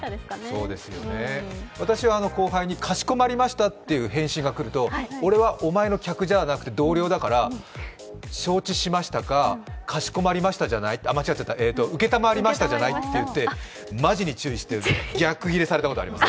私は後輩に「かしこまりました」という返信が来ると、俺はお前の客じゃなくて同僚だから「招致しました」「承りました」じゃない？って言ってマジに注意して逆ギレされたことあります。